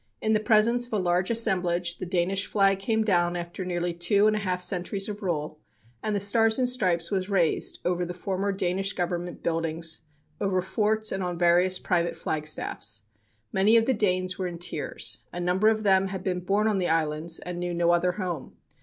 In the presence of a large assemblage the Danish flag came down after nearly two and a half centuries of rule, and the Stars and Stripes was raised over the former Danish Government buildings, over forts, and on various private flagstaffs. Many of the Danes were in tears. A number of them had been born on the islands and knew no other home.